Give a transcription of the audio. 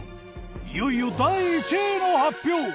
いよいよ第１位の発表。